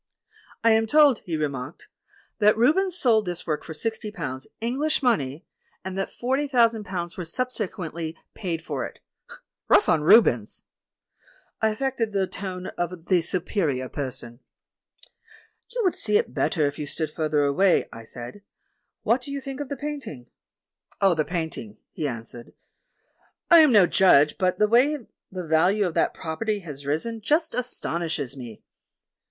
"I am told," he remarked, "that Rubens sold this work for sixty pounds, English money, and that forty thousand pounds were subsequently paid for it. Kough on Rubens!" I affected the tone of the Superior Person. "You would see it better if you stood further away," I said; "what do you think of the paint ing?" "Of the painting," he answered, "I am no judge, but the way the value of that property has risen just astonishes me."